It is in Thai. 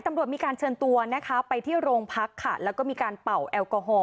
ตำรวจมีการเชิญตัวนะคะไปที่โรงพักค่ะแล้วก็มีการเป่าแอลกอฮอล